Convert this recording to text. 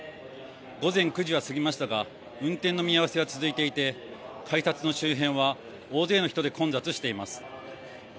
午前９時は過ぎましたが運転の見合わせは続いていて改札の周辺は大勢の人で混雑しています。